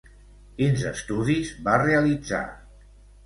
Quins estudis va realitzar?